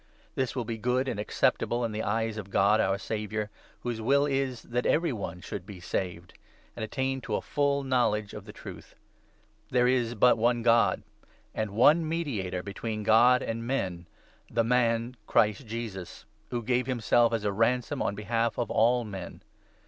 This 3 will be good and acceptable in the eyes of God, our Saviour, whose will is that every one should be saved, and attain to a 4 full knowledge of the Truth. There is but one God, 5 and one mediator between God and men — the man, Christ Jesus, who gave himself as a ransom on behalf of all men.